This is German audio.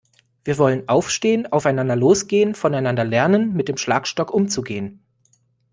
Wir wollen aufstehen, aufeinander losgehen, voneinander lernen, mit dem Schlagstock umzugehen.